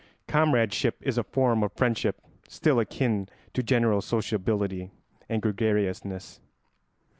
] Comradeship is a form of friendship still akin to general sociability and gregariousness.